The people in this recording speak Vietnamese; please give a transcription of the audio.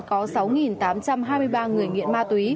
có sáu tám trăm hai mươi ba người nghiện ma túy